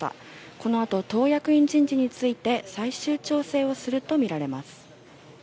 このあと、党役員人事について最終調整をすると見られます。